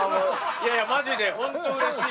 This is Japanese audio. いやいやマジでホント嬉しい。